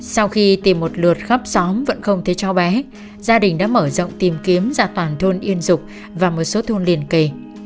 sau khi tìm một lượt khắp xóm vẫn không thấy cháu bé gia đình đã mở rộng tìm kiếm ra toàn thôn yên dục và một số thôn liên kề